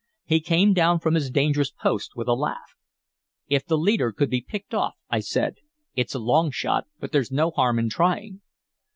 He came down from his dangerous post with a laugh. "If the leader could be picked off" I said. "It's a long shot, but there's no harm in trying."